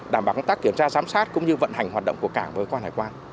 đảm bảo công tác kiểm tra giám sát cũng như vận hành hoạt động của cảng với quan hải quan